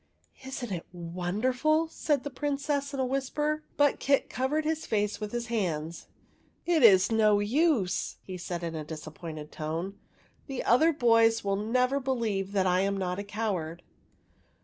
'' Is n't it wonderful ?" said the little Prin cess, in a whisper. 20 THE WEIRD WITCH But Kit covered his face with his hands. " It is no use," he said in a disappointed tone ;" the other boys will never believe that I am not a coward."